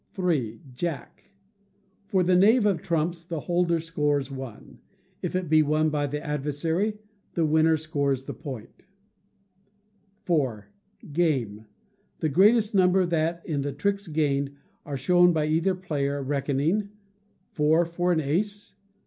Jack. For the knave of trumps the holder scores one. If it be won by the adversary, the winner scores the point. iv. Game. The greatest number that, in the tricks gained, are shown by either player, reckoning: Four for an ace.